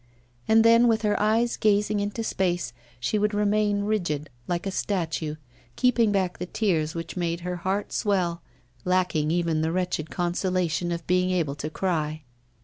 And then, with her eyes gazing into space, she would remain rigid, like a statue, keeping back the tears which made her heart swell, lacking even the wretched consolation of being able to cry.